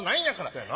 そやな。